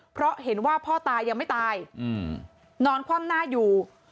เพราะเห็นว่าพ่อตายังไม่ตายนอนคว่ำหน้าอยู่